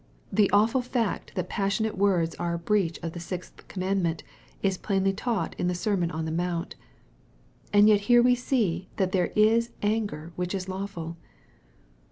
The awful fact that passionate words are a breach of the sixth commandment, is plainly taught m the Sermon on the Mount. And yet here we see that there is anger which is lawful.